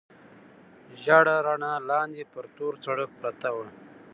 ژېړه رڼا، لاندې پر تور سړک پرته وه.